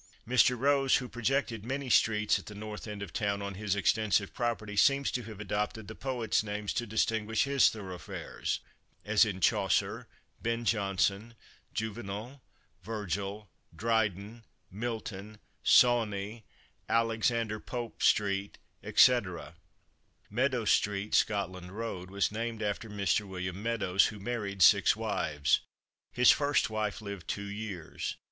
Mr. Rose, who projected many streets at the north end of the town on his extensive property, seems to have adopted the poets' names to distinguish his thoroughfares, as in Chaucer, Ben Jonson, Juvenal, Virgil, Dryden, Milton, Sawney (Alexander) Pope street, etc. Meadows street, Scotland road, was named after Mr. William Meadows, who married six wives. His first wife lived two years.